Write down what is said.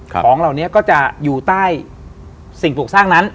ของเหล่านี้ก็จะอยู่ใต้สิ่งปลูกสร้างนั้น